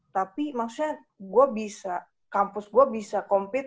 tapi maksudnya gua bisa kampus gua bisa compete